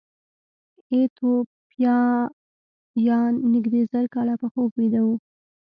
ایتوپیایان نږدې زر کاله په خوب ویده وو.